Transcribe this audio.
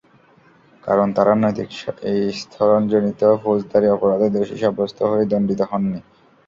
কারণ, তাঁরা নৈতিক স্খলনজনিত ফৌজদারি অপরাধে দোষী সাব্যস্ত হয়ে দণ্ডিত হননি।